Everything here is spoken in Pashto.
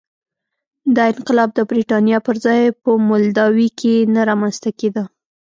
دا انقلاب د برېټانیا پر ځای په مولداوي کې نه رامنځته کېده.